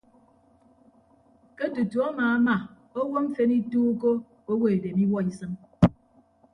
Ke tutu amaama owo mfen ituukọ owo edem iwuọ isịn.